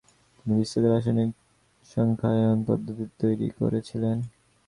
তিনি বিস্তৃত রাসায়নিক সংখ্যায়ন পদ্ধতি তৈরি করেছিলেন।